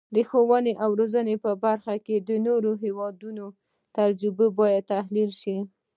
د ښوونې او روزنې په برخه کې د نورو هیوادونو تجربې باید تحلیل شي.